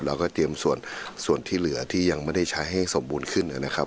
เราก็เตรียมส่วนที่เหลือที่ยังไม่ได้ใช้ให้สมบูรณ์ขึ้นนะครับ